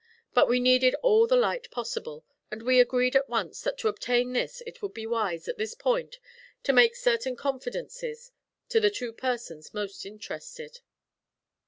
But we needed all the light possible, and we agreed at once that to obtain this it would be wise, at this point, to make certain confidences to the two persons most interested.